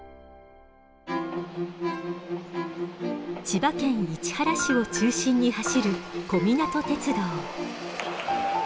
千葉県市原市を中心に走る小湊鉄道。